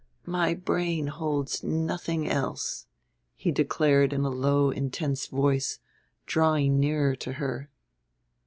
My brain holds nothing else," he declared in a low intense voice, drawing nearer to her.